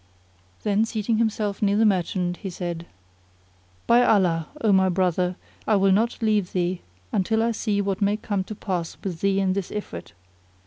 Then seating himself near the merchant he said, "By Allah, O my brother, I will not leave thee until I see what may come to pass with thee and this Ifrit."